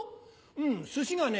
うん寿司がね